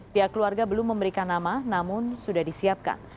pihak keluarga belum memberikan nama namun sudah disiapkan